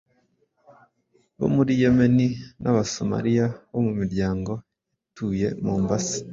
bo muri Yemeni n’Aba-Somali bo mu miryango yatuye Mombasa